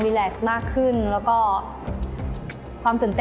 บอกตัวเองทุกวัน